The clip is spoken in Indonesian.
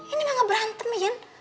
ini mah ngeberantemin